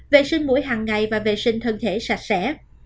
vệ sinh mũi hằng ngày và vệ sinh thân thể sạch sẽ